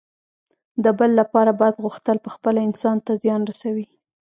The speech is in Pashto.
د بل لپاره بد غوښتل پخپله انسان ته زیان رسوي.